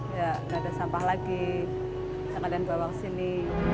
ya nggak ada sampah lagi yang kalian bawa ke sini